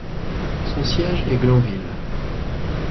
Son siège est Glenville.